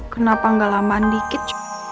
kenapa gak lamaan dikit